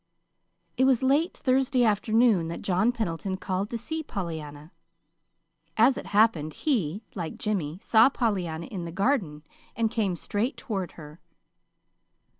It was late Thursday afternoon that John Pendleton called to see Pollyanna. As it happened, he, like Jimmy, saw Pollyanna in the garden and came straight toward her.